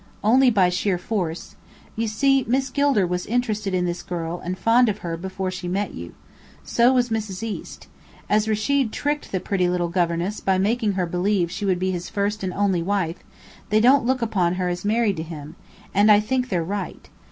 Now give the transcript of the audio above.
"Only by sheer force. You see, Miss Gilder was interested in this girl and fond of her before she met you. So was Mrs. East. As Rechid tricked the pretty little governess by making her believe she would be his first and only wife, they don't look upon her as married to him: And I think they're right.